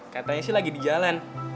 katanya sih lagi di jalan